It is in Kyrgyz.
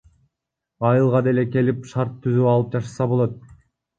Айылга деле келип шарт түзүп алып жашаса болот.